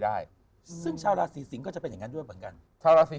ได้ซึ่งชาวราศีสิงศ์ก็จะเป็นอย่างงั้นด้วยเหมือนกันชาวราศี